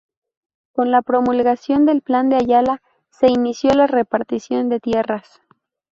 Con la promulgación del Plan de Ayala se inició la repartición de tierras.